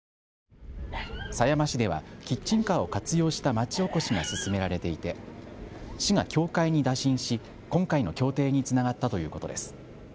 狭山市ではキッチンカーを活用した町おこしが進められていて、市が協会に打診し今回の協定につながったということです。